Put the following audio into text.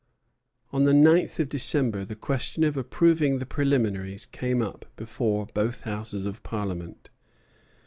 On the ninth of December the question of approving the preliminaries came up before both Houses of Parliament.